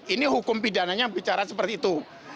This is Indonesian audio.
ini hukum pidananya bicara seperti itu